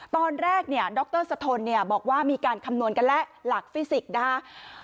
ตอนแรกเนี่ยดรสะทนเนี่ยบอกว่ามีการคำนวณกันแล้วหลักฟิสิกส์นะคะ